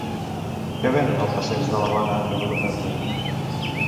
Què venen al passeig de l'Havana número trenta?